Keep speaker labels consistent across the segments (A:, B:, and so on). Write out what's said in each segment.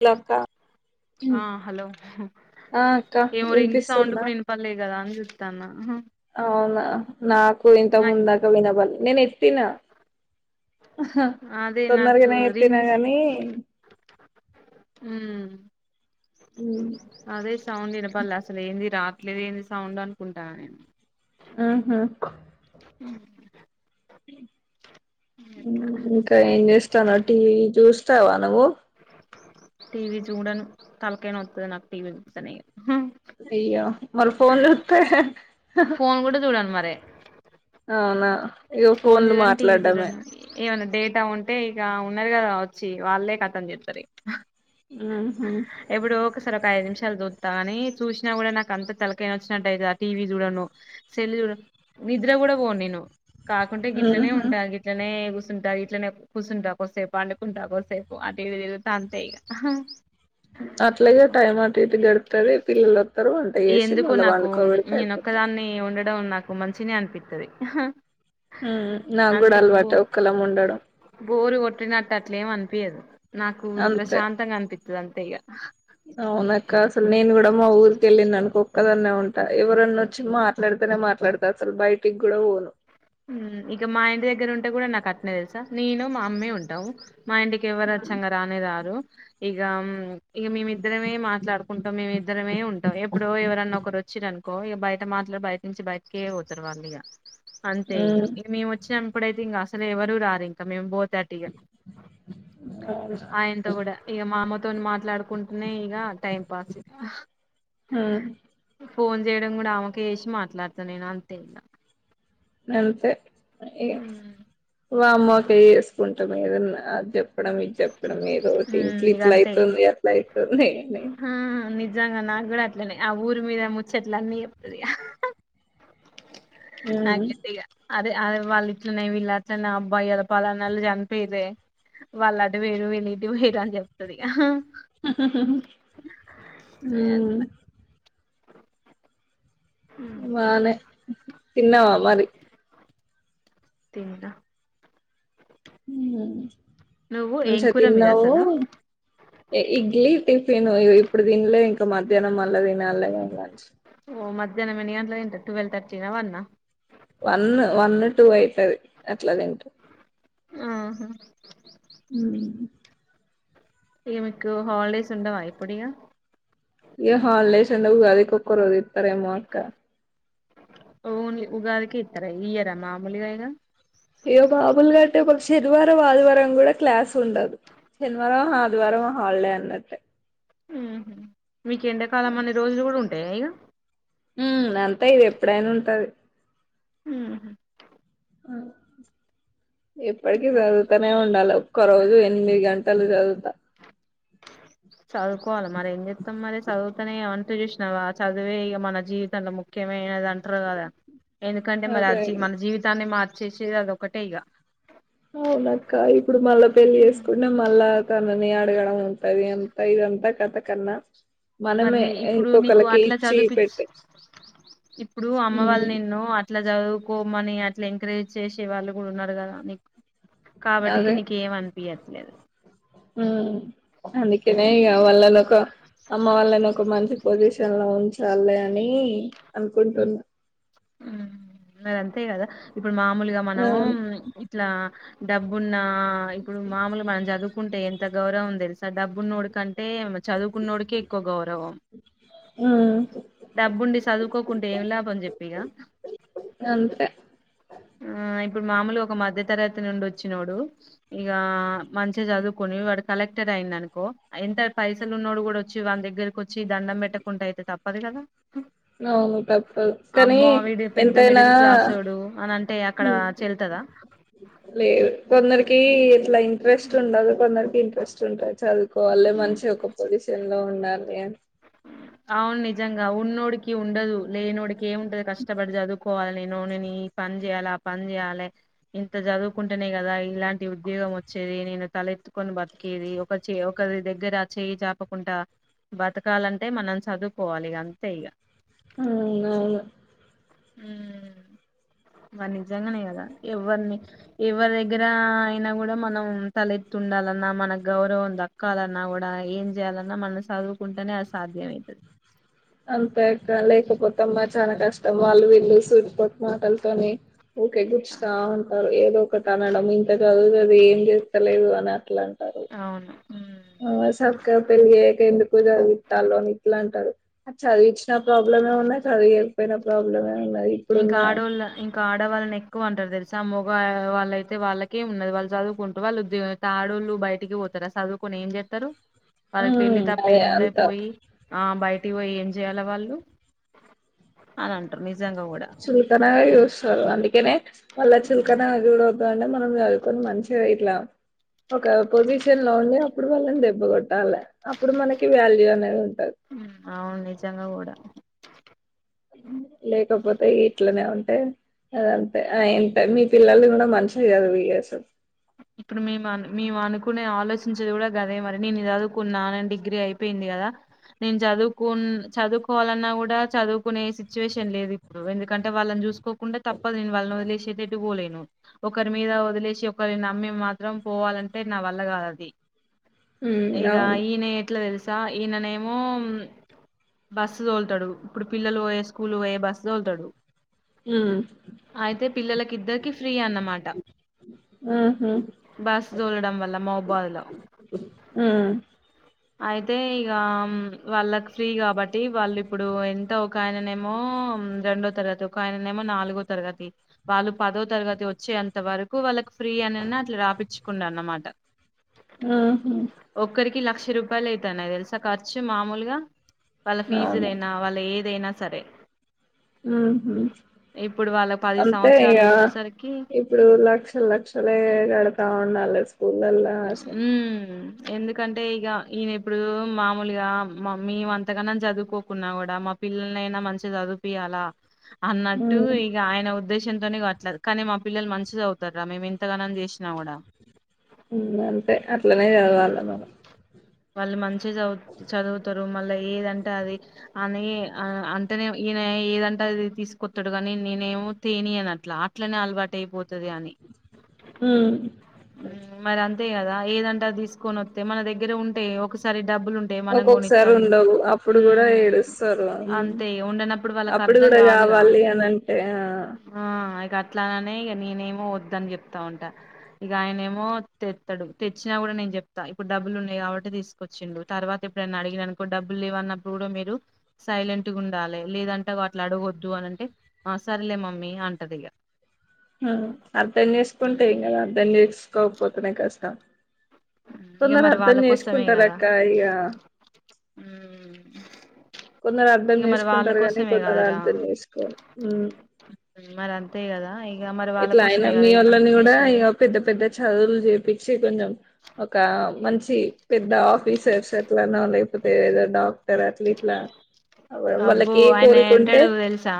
A: Hello అక్క
B: ఆ hello
A: ఆ అక్క
B: ఏమో రింగ్ సౌండ్
A: వినిపిస్తుందా
B: కూడా వినపళ్లేదు కదా అని చూస్తు చూస్తాన్న
A: అవునా నాకు ఇంత
B: నాకు
A: ముందాకా వినపళ్ళ నేను ఎ ఎత్తిన
B: అదే నాకు
A: తొందరగనే
B: రింగ్
A: ఎత్తినా గానీ
B: హ అదే సౌండ్ విన వాళ్ళు అసలు ఏంది రాట్లేదు ఏంది సౌండ్ అనుకుంటాన నేను
A: ఆహా
B: ఉ
A: ఇంకా ఏం చేస్తాను టీవీ చూస్ [unintelligible] ఇవా నువ్వు
B: టీ వి చూడను తలకాయ నొత్తది నాకు టీ వి చూస్తనే ఇక
A: ఇగ మరి ఫోన్ లు వస్తే
B: ఫోన్ కూడా చూడను మరి సే [unintelligible]
A: అవునా ఇగ
B: ఫోన్
A: ఫోన్లు
B: చూడండి టీవీ
A: మాట్లాడమే
B: చూడండి ఏమన్నా డేటా ఉంటా ఉంటే టే ఇక ఉన్నరిగా వచ్చి వాళ్ళే కథం చేతారు ఇక
A: హ
B: ఎప్పుడో ఒకసారి ఒక ఐదు నిమిషాలు చూత్తా కాని చూసినా కూడా నాకు అంత తలకాయి నొచ్చినట్టుయితది. ఆ టీవీ చూడను, సెల్ చూడను, నిద్ర కూడా పోను నేను. కాకుంటే గిట్లనే
A: ఉహు
B: ఉంటా గిట్లనే కూస్ కూర్చంటా ఇట్లనే కూర్చుంటా కొద్దీసేపు పండుకుంటా కొద్దీసేపు అటు ఇటు తిరుగుతా అంతే ఇక
A: అట్లాగే టైమ్ అటు ఇటు గడిపి ంటద పిల్లలు వస్తారు వంట చేసి
B: ఎందుకో
A: మళ్ళా
B: నాకు
A: వండుకోబెడితే
B: నేను
A: అయిపోతది
B: ఒక్కదాన్ని ఉండడం నాకు మంచినే అనిపిస్తది
A: ఉ నాకు కూడా అలవాటు ఒకలం ఉండడం
B: పుట్టినట్టు అట్లా ఏం అనిపియదు నాకు
A: అంతే
B: ప్రశాంతంగా అనిపిస్తది అంత్ తేగా
A: అవునక్క అసలు నేను కూడా మా ఊరిక వెళ్ళిిన్ అనుకొ ఒక్కదనే ఉంటా ఎవరన్నా వచ్చి మాట్లాడితేనే మాట్లాడతా అసలు బయటికి కూడా పోను
B: హ్మ్ ఇక మా ఇంటి దగ్గర ఉంటే కూడా నాకు అట్నే తెలుసా నేను మా అమ్మే ఉంటామ్ మా ఇంటికి ఎవరు అచ్చంగా రానే రారు ఇగ మ్ ఇక మేమిద్దరమే మాట్లాడుకుంటాం మేమి ఇద్దరమే ఉంటాం ఎప్పుడుో ఎవరన్న ఒకరు వచ్చిరనుకో కో బయట మాట్లాడ్ బయట నుంచి బయటకే పోతారు వాళ్ళు ఇగ అంతే ఇగ ఇంక మేమ్ వచ్చాం ఇప్పుడైతే ఇంగ అసలు ఎవరుూ రారు ఇంక మేం పో థర్టీగా ఆయనతో కూడా ఇక మామ్మతో మాట్లాడుకుంటూనే ఇక టైం పాసు
A: ఉమ్
B: ఫోన్ చేయడం కూడా ఆమెకు చేసి మాట్లాడతాను నేను అంతే ఇగ
A: అంతే ఏ వామ్ మోకా చేసుకుంటాం ఏదన్నా అద్ చే చెప్పడం ఇది చెప్పడం ఏదోటి
B: హ్మ్
A: ఇట్ల
B: ఇక
A: ఇట్ల
B: అంతే
A: అయితుంది అట్ల అవుతుంది అని
B: ఆ నిజంగా నా కూడాడ అట్లనే ఆ ఊరి మీద ముచ్చట్ల అన్నీ చెప్పుతాది ఆ హా [unintelligible] అదే అదే వాళ్ళు ఇట్లనే వీళ్ళట్లనే అబ్బాయి అద పలనోళ్ళు చనిపోయిరే వాళ్ళు అటు పోయిరు వీళ్ళు ఇటు పోయిరు అని చెప్తది
A: ఆహా ఆహా
B: అట్లా
A: ఉమ్
B: ఉమ్.
A: బనే తిన్నావా మరి
B: తిన్న
A: హ్మ్
B: నువ్వు ఏంకూర మీది అస్సలు
A: ఇ ఇడ్లీ టిఫిన్ ఇద్ ఇప్పుడు తినిలే ఇంకా మధ్యానం మల్లా తినలీ ఆ లంచ్
B: ఓ మధ్యానం ఎన్ని గంటలకు తింటావ్ టూవెల్ థర్టీ నా వన్ ఆ
A: వన్ వన్ టూ అవుతుది అట్లా తింటా
B: ఆహా
A: ఉ
B: ఈ మీకు హాాలిడేస్ ఉండావా ఇప్పుడు ఇగ
A: ఏ హాలిడేస్ ఉండవు గాది ఒకక రోజే సరే మొక్క
B: కిత్ ర ఇయరా మామూలుగా ఇగ
A: ఇగ మాములుగా అంటే ఒక శనివారం ఆదివారం కూడా క్లాస్ ఉండదు శనివారం ఆదివారం హాలిడే అన్నట్టే
B: ఉహు మీకెండాకాలం అన్ని రోజులు కూడా ఉంటంది ఏయిగా
A: ఉ అంత అంతా ఇది ఎప్పుడైనా ఉంటది
B: ఆ
A: [unintelligible] ఇప్పటికి చదుగువుతనే ఉండాలి ఒక్క రోజు ఎనిమిది గంటలు చదువుతా
B: చదువుకోవాలి మరి ఏం చెప్ మత్తమ్ మరి చదువుతా చూసిన చదివే ఇక మన జీవితంలో ముఖ్యమైనద కదా ఎందుకంటే
A: అదే
B: మరి మన జీవితాన్ని చేసేది ఏడు ఒకటె ఇగ
A: అవున అక్కయి ఇప్పుడు మళ్ళా పెళ్ళి చేేసుకుంటే మళ్ళా నని ఆడుగా ఉతాది అంత ఇదంతా కథ కన్నా మనమే
B: మరి ఇప్పుడు నీకు
A: ఇంకొకరికి
B: అట్లా
A: ఇచ్చి
B: చదివుపిచ్చ
A: పెట్టే
B: ఇప్పుడు అమ్మ వాళ్ళ
A: ఉమ్
B: నిన్ను అట్లా చదువుకో మని అట్లా ఎంకరేజ్ చేసే వాళ్ళు కూడా ఉన్నారు కదా నీకు కాబట్టికి
A: అదే
B: నీకేం అనిపించట్లేదు
A: ఉమ్ అందుకేనే ఇక వాళ్ళని ఒక అమ్మ వాళ్ళని ఒక మంచి పొజిషన్ లో ఉంచి ఉంచాలి అని అనుకుంటున్నా
B: ఉ అంతే కదా ఇప్పుడు మామూలుగా
A: ఆ
B: మనము ఇట్లా డబ్బున్న ఇప్పుడు మామూలుగా మనం చదువుకుంటే ఎంత గౌరవం తెలుసా డబ్బున్నోడుకంటే చదువుకున్నోడికే ఎక్కువ గౌరవం
A: ఉమ్
B: డబ్బుండి చదువుకోకుంటే ఏం లాభంని చెప్ప
A: అంతే
B: ఆ ఇప్పుడు మామూలు ఒక మధ్య తరగతి నుండి వచ్చినోడు ఇక మంచిగా చదువుకుని వాడు కలెక్టర్ అయింది అనుకో ఎంత పైసలు ఉన్నాడు కూడా వచ్చి వాళ దగ్గరకి వచ్చి దండం పెట్టకుండా అయితే తప్పదు కదా
A: అవును తప్పదు కానీ
B: అబ్బా వీడు పెద్ద
A: ఎంతైనా
B: మిడిల్ క్లాసోడు అని అంటే అక్కడ చెల్తదా
A: లే వందరి క ఇట్లా ఇంట్రెస్ట్ ఉండాలి కొందరికి ఇంట్రెస్ట్ ఉంటా చాల వాళ్ళే మంచిగ ఒక పొజిషన్ లో ఉ [unintelligible]
B: అవును నిజంగా ఉన్నోడికి ఉండదు లేనోడికే ఉంటది కష్టపడి చదువుకోవాలి నేను నేను ఈ పని చేయ్యాలి ఆ పని చేయాలి ఇంత చదువుకుంటేనే కదా ఇలాంటి ఉద్యోగం వచ్చేది నేను తలెత్తుకొని బతికేది ఒక చే ఒకరి దగ్గర చేయి చాపకుండా బ బ్రతకాలంటే మనం చదువుకోవాలి అంతే ఇక
A: అవునవును
B: మరి నిజంగానే కదా ఎవరిని ఎవరి దగ్గర అయినా కూడా మనం తలెత్తుండాలన్నా మన గౌరవం దక్కాలన్నా కూడా ఏం చేయాలన్నా మనం చదువుకుంటేనే అది సాధ్యమవుతుంది
A: అంతే అక్క లేకపోతే మరి చాలా కష్టం వాళ్ళు వీళ్ళు సూటు పోటు మాటలతోని ఊకే గుచ్చుతా ఉంటరు ఏదో ఒకటి అనడం ఇంత చదువు చదివి కద ఏం చేస్తలేవు అని అట్లా అంటారు
B: అవును ఉమ్
A: ఆ సక్కగా పెళ్ళిజేయక ఎందుకు చదివిస్తాళ్ళు అని ఇట్ల అంటారు అటు చదివిచ్చిన ప్రాబ్లమే ఉన్నది చదివియకపోయినా ప్రాబ్లెమ్
B: ఇంకా ఆడోళ్ళ ఇంకా ఆడవాళ్ళని ఎ ఎక్కువ అంటరు తెలుసా ఆ మొగ వాళ్ళయితే వాళ్ళకే ఉన్నది వాళ్ళు చదువుకుంటరు వాళ్ళు ఉద్యోగం చేస్తరు ఆడోళ్లు బయటికి పోతరా చదువుకొని ఏం చేస్తరు వాళ్ళకి పెళ్ళి
A: ఉమ్
B: తప్ప
A: అదే
B: ఏమున్నది
A: అంత
B: పోయి టికీ పోయి ఏం చేయాల వాళ్ళు అని అంటరు
A: చులకన గా చూస్తారు చదవాలి వాళ్ళని చులకనగా చూడొద్దు అని మనం చదువుకొని మంచిగ ఇట్లా ఒక పొజిషన్ లో ఉండి ఇప్పుడు వాళ్ళని దెబ్బకొట్ ట్టాలా అప్పుడు మనకి వ్యాల్యూ అనేది ఉంటది
B: ఉమ్, అవును నిజంగా కూడా
A: లేకపోతే ఇట్లనే ఉంటే అదంతే ఎంత మీ పిల్లలకి కూడా మంచిష కాదు [unintelligible]
B: ఇప్పుడు మేము మేము అనుకునే ఆలోచించేది కూడా గదే మరి నేను చదువుకున్నా నేను డిగ్రీ అయిపోయింది కదా నేను చదువుకు చదువుకోవాలన్నా కూడా చదువుకునే సిచ్యువేషన్ లేదు ఇప్పుడు కంటే వాళ్ళని చూసుకోకుండా తప్పదు నేను వాళ్ని వదిలేసి ఏటేటు పోలేను ఒకరి మీద వదిలేసి ఒకరి న మమ్మీ మాత్రం పోవాలంటే నా వల్ల కాదది
A: ఉమ్
B: ఇక
A: అవును
B: ఈనె ఎట్ల తెల్సా స ఈయననేమో బస్సు తోలుతడు ఇప్పుడు పిల్లలు పోయే స్కూల్ పోయే బస్సు తోలుతడు
A: ఉమ్
B: అయితే పిల్లలకిద్దరికీ ఫ్రీ అన్నమాట
A: ఉహు
B: బస్ తోలడం వల్ల మౌబాదులో
A: ఉమ్
B: అయితే ఇక వాళ్ళకి ఫ్రీ కాబట్టి వాళ్ళు ఇప్పుడు ఎంత ఒక ఆయననేమో రెండో తరగతి ఒక ఆయననేమో నాలుగో తరగతి వాళ్ళు పదో తరగతి వచ్చేంత వరకు వాళ్ళకి ఫ్రీ అనే అట్లా రాపిచుకున అన్నమాట
A: ఆహ
B: ఒక్కరికి లక్ష రూపాయలు అవుతన్నయి తెలుసా ఖర్చు మామూలుగా వాళ్ళ
A: అవును
B: ఫీజులయినా వాళ్ళ ఏ దేనా సరే
A: ఉహు
B: ఇప్పుడు వాళ్ళ పది
A: అంతే ఇక
B: సంవత్సరాలు వచ్చేసరికి
A: ఇప్పుడు లక్షలు లక్షలు కడతా ఉల స్కూల్లాల్
B: హ్మ్ ఎందుకంటే ఇక ఈయన ఇప్పుడు మామూలుగా మే అంతకన్నా చదువుకోకున్నా కూడా మా పిల్లల్నియినా మంచిగా చదువుపియాలా అన్నట్టు
A: ఉమ్
B: ఇక ఆయన ఉద్దేశం ఎనే కాట్లేదు కానీ మా పిల్లలు మంచిది అవుతారా మేము ఎంతగానని చేసినా కూడా
A: అంతే అట్లనే చదవాల మనం
B: వాళ్ మంచి వచ్చ చదువు చదువుతారు మళ్ళా ఏదంటే అది అని అంటేనే ఈయన ఏదంటే అది తీసుకొస్తాడు కానీ నేనమో తేని అన అట్లా అట్లనే అలవాటు అయిపోచ్చ ఇస్తుని
A: ఉమ్
B: అంతే కదా ఏదంటా తీసుకొని వస్తే మన దగ్గర ఉంటే ఒకసారి డబ్బులు ఉంటే మనం
A: ఒక్కొక్కసారి
B: గొనిత్తం
A: ఉండవు అప్పుడు కూడా
B: మ్మ్
A: ఏడుస్తారు
B: అంతే ఉండనప్పుడు వాళ్ళకి
A: అప్పుడు
B: అర్ధం
A: కూడా
B: కాదుగా
A: కావాలి అని అంటే ఆ
B: ఆ ఇక అట్లాననే ఇక నేనేమో వద్ద అని చెప్తా ఉంట ఇక ఆయన ఏమో తెత్తాడు తెచ్చినా కూడా నేను చెప్తా ఇప్పుడు డబ్బులు ఉన్నాయి కాబట్టి తీసుకొచ్చిండు తర్వాత ఇప్పుడు నేను అడిగిన అనుకో డబ్బులు లేవ అన్నప్పుడు కూడా మీరు సైలెంట్గా ఉండాలి లేదంట అట్లా అడగొద్దు అనంటే సరేలే మమ్మీ అంటారు ఇక
A: అర్ధం చేసుకుంటేం కదా అర్ధం చేసుకోకపోతున్నాయి కష్ట త
B: ఇక
A: కొందరు
B: మరి
A: అర్థం
B: వాళ్ళ కోసమే
A: చేసుకుంటారు
B: కదా
A: అక్క ఇక
B: ఉమ్.
A: కొందరు అర్థం
B: ఇక మరి వాళ్ళ
A: చేసుకుంటారు కానీ
B: కోసమే
A: కొందరు
B: కదరా
A: అర్థం చేసుకోని
B: అంత కదా మరి వాళ్ళ
A: ఎట్లా అయినా
B: కోసమే
A: మీ
B: కదా ఇదంతా
A: వాళ్ళని కూడా ఇ
B: చేసేది
A: పెద్ద పెద్ద చదువులు చెపి కొంచెం ఒక మంచి పెద్ద సేర్షట్ల ఉల పోతే ఏదైనా
B: అబ్బో
A: ఏ
B: ఆయన
A: కోరికుంటే
B: అంటాడు తెలుసా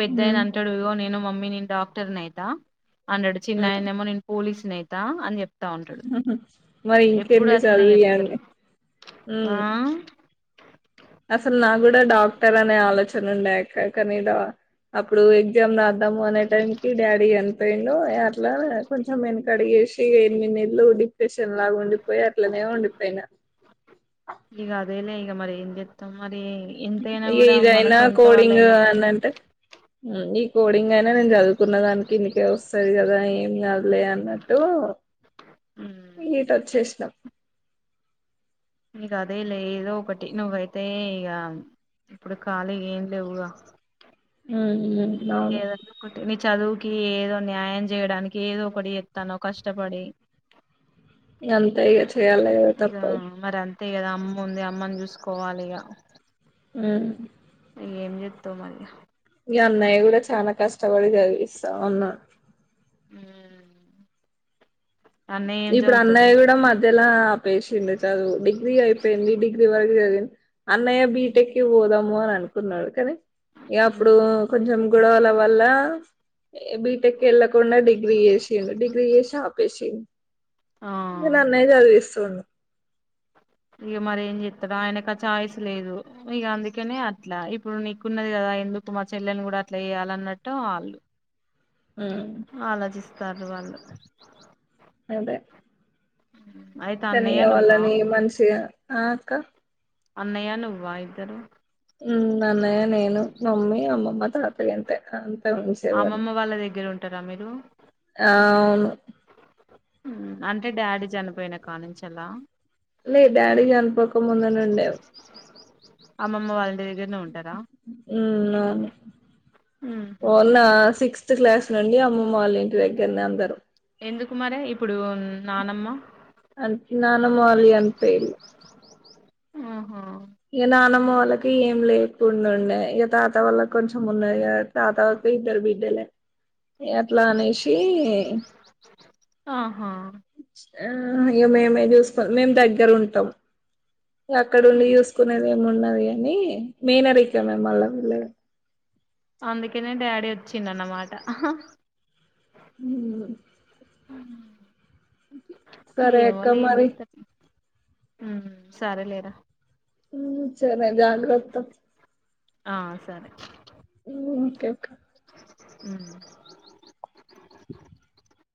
B: పెద్ద అయన అంటాడు నేను మమ్మీ మీ డాక్టర్ నైతే అన్న్రడు చిన్నయందేమో నేను పోలీసు స్నేహతా అని చెప్ప
A: మరి ఇంకేసార్లు
B: అట్లనే చెప్తారు
A: చదువిడి
B: ఆ
A: అసలు నా కూడా డాక్టర్ అనే ఆలోచన ఉండేక కానీ అప్పుడు ఎగ్జామ్ రాద్దాము అనే టైంకి డాడీ అనిపోయిడుో అట్లా కొంచెం వెనుకడిగేసి ఎనిమిది ఇళ్ళలు డిప్రెషన్ లాగా ఉండిపోయి అట్లనే ఉండిపోయిన
B: ఇక అదేలే ఈక మరి ఇందత్త మరి అది ఎంతైనా
A: ఇగ
B: కూడా మన
A: ఇదైనా
B: సొంత వాళ్ళు
A: కోడింగ్
B: అయినప్పుడు
A: అని అంటే ఈ కోడింగ్ అయినా నేను చదువుకున్న దానికి ఇందుకే వస్తుంది కదా ఏం కదిలే అన్నట్టు ఈట
B: మ్మ్
A: వచ్చేసినాం
B: నీక అదే లేదో ఒకటి నువ్వైతే ఇక ఇప్పుడు ఖాళీ ఏం లేవుక
A: హమ్
B: నద కొ నిచ చదువు ఏదో న్యాయం చేయడానికి ఏదో ఒకటి ఎస్తానో కష్టపడి
A: ఇగ అంతా ఇక చెయాలిగ
B: ఇక
A: తప్పదు
B: మరి అంతే కదా అమ్మ ఉంది. అమ్మని చూసుకోవాలి ఇగ.
A: ఉ
B: ఏం చెత్తావు మళ్ళీ
A: ఇగ అన్నయ్య కూడా చానా కష్టపడి చదివిస్తా ఉన్నాడ్
B: హ్మ్ ఊ
A: ఇప్పుడు అన్నయ్య కూడా మధ్యలో ఆపేసిండు. చదువు డిగ్రీ అయిపోయింది డిగ్రీ వరకు చదివిం అన్నయ్య బీటెక్ కి పోదం పోల అనుకున్నాడు కదా ఇగ అప్పుడు కొంచెం గొడవలు పళ్ళ బిటెక్ ఎళ్ళకుండా డిగ్రీ చేసిండు డిగ్రీ వేసి ఆపేసిన్
B: ఆ
A: ఇంకా నన్న అయితే తీస్తవ్ ఉన్
B: ఇక మరి ఏం చెత్తడు ఆయనకు ఆ చాయిస్ లేదు. ఇక అందుకనే అట్లా ఇప్పుడు నీకున్నది కదా. ఎందుకు మా చెల్లెని కూడా అట్ల చేయాలన్నట్టు. వాళ్ళు
A: ఉమ్,
B: ఆలోచిస్తారు వాళ్ళు
A: అదే
B: హ్మ్
A: తనీగా వాళ్ళని మనిషిగా ఆ అక్క
B: అన్నయ్యా నువ్వా ఇద్దరు
A: ఉం అన్నయ్య నేను మమ్మీ అమ్మమ్మ త ఇగ అంతే అన్
B: అమ్మమ్మ వాళ్ళ దగ్గర ఉంటర్ రా మీదు
A: అవును
B: ఉమ్ అంటే డాడీ చనిపోయినా కా నుంచి అలా
A: మే డాడీ కనపక ముందునుండే
B: అమ్మమ్మ వాల్లింటి దగ
A: ఉం అవును వోలా సిక్స్త్ క్లాస్ నుండి అమ్మ అమ్మ వాళ్ళ ఇంటి దగ్గరనే అందరు
B: ఎందుకు మారే ఇప్పుడు నానమ్మ
A: అకి నానమ్మ వాళ్ళు కనిపేలు
B: ఆహో
A: ఇక నానమ్మ వాళ్ళకి ఏం లేకుండా ఉండే ఇక తాత వాళ్ళకి కొంచెం ఉన్నాయిగ త తాత్ బిడ్డల్ బిడ్డలే అట్లా అనేసి
B: ఆహా
A: ఆ ఏమేమే చూసుకో మేము దగ్గర ఉంటాం అక్కడ ఉండి
B: ఉమ్.
A: యూస్ కునేది ఏమి ఉన్నది అని మేనరికమే మల్ల వీళ్ళది
B: అందుకనే డాడీ వచ్చిండు అన్నమాట
A: అ
B: ఏమల్ల ఏం చెప్తారు హుమ్ సరే లేరా
A: ఊమ్ సరే జాగ్రత్త
B: ఆ సరే
A: హూమ్ ఓకే ఒకే
B: హుమ్
A: [inaudible]